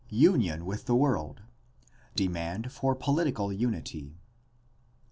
UNION WITH THE WORLD The demand for political unity.